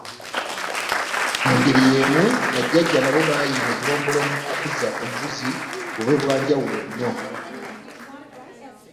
Mu ngeri y’emu bajjajja nabo baayiiya obulombolombo bw’okuzza embuzi bube bwa njawulo nnyo.